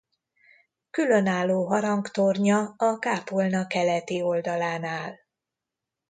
Különálló harangtornya a kápolna keleti oldalán áll.